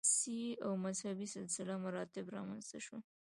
سیاسي او مذهبي سلسله مراتب رامنځته شول